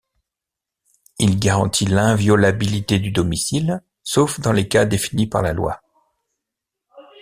Il garantit l'inviolabilité du domicile sauf dans les cas définis par la loi.